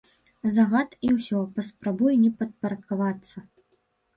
Загад, і ўсё, паспрабуй не падпарадкавацца!